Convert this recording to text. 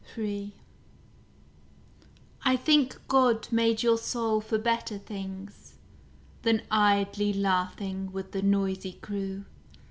III I think God made your soul for better things Than idly laughing with the noisy crew.